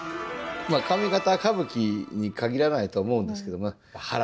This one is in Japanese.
上方歌舞伎に限らないと思うんですけどね